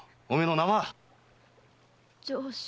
お前の名は？